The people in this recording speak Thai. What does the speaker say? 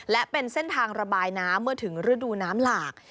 และเป็นเส้นทางระบายน้ำเมื่อถึงฤดูน้ำหลาก